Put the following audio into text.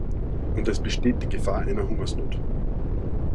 Und es besteht die Gefahr einer Hungersnot.